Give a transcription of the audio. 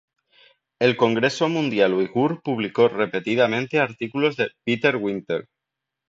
El Congreso Mundial Uigur publicó repetidamente artículos de "Bitter Winter".